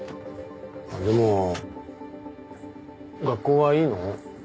でも学校はいいの？